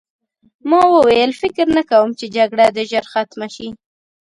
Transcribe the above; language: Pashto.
ما وویل فکر نه کوم چې جګړه دې ژر ختمه شي